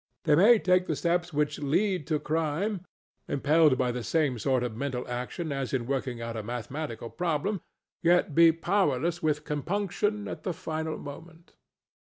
They may take the steps which lead to crime, impelled by the same sort of mental action as in working out a mathematical problem, yet be powerless with compunction at the final moment.